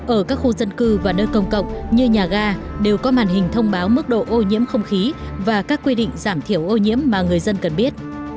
ở các khu dân cư và nơi công cộng như nhà ga đều có màn hình thông báo mức độ ô nhiễm không khí và các quy định giảm thiểu ô nhiễm mà người dân cần biết